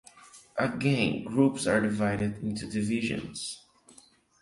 Again Groups are divided into Divisions.